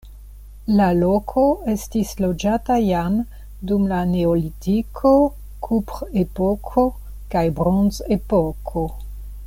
La loko estis loĝata jam dum la neolitiko, kuprepoko kaj bronzepoko.